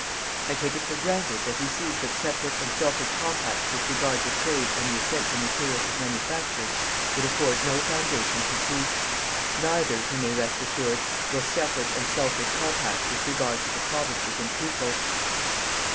I take it for granted that he sees that separate and selfish compacts with regard to trade and the essential materials of manufacture would afford no foundation for peace. Neither, he may rest assured, will separate and selfish compacts with regard to the provinces and peoples.